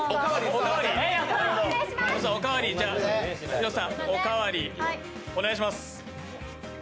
広瀬さん、おかわり、お願いします。